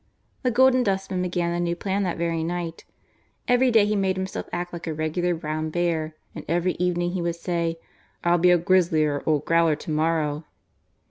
The Golden Dustman began the new plan that very night. Every day he made himself act like a regular brown bear, and every evening he would say, "I'll be a grislier old growler to morrow."